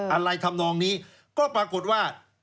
ทำนองนี้ก็ปรากฏว่า